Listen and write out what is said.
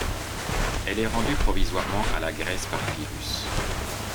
Elle est rendue provisoirement à la Grèce par Pyrrhus.